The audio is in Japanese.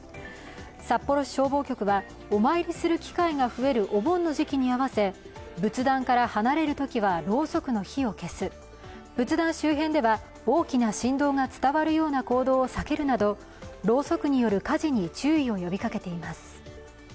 札幌市消防局は、お参りする機会が増えるお盆の時期に合わせ仏壇から離れるときはろうそくの火を消す、仏壇周辺では大きな振動が伝わるような行動を避けるなどろうそくによる火事に注意を呼びかけています。